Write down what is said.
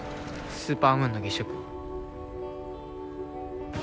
スーパームーンの月食。